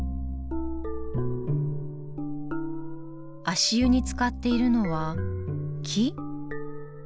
足湯につかっているのは木？